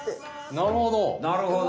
なるほど。